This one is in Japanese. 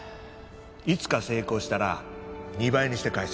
いつか成功したら２倍にして返してくれ。